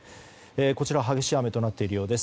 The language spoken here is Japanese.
こちら、激しい雨となっているようです。